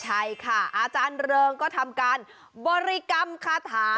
ใช่ค่ะอาจารย์เริงก็ทำการบริกรรมคาถา